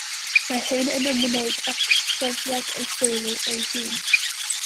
Mae hyn yn ymwneud â phrofiad ei theulu ei hun.